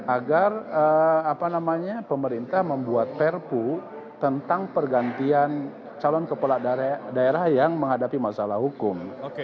agar pemerintah membuat perpu tentang pergantian calon kepala daerah yang menghadapi masalah hukum